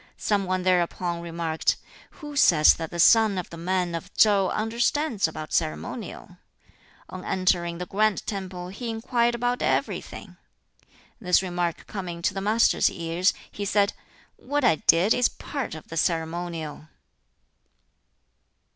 Some one thereupon remarked, "Who says that the son of the man of Tsou understands about ceremonial? On entering the grand temple he inquired about everything." This remark coming to the Master's ears, he said, "What I did is part of the ceremonial!"